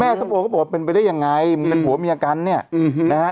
ส้มโอก็บอกว่าเป็นไปได้ยังไงมึงเป็นผัวเมียกันเนี่ยนะฮะ